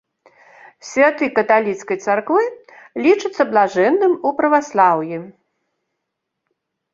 Святы каталіцкай царквы, лічыцца блажэнным у праваслаўі.